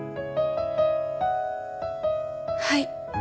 はい。